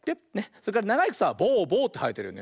それからながいくさはボゥボゥってはえてるよね。